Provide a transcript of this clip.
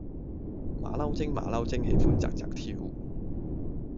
馬騮精馬騮精喜歡紮紮跳